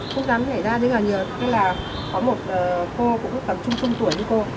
không dám nhảy ra nhưng mà như là có một cô cũng tầm trung trung tuổi như cô